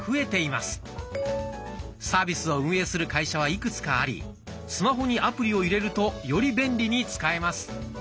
サービスを運営する会社はいくつかありスマホにアプリを入れるとより便利に使えます。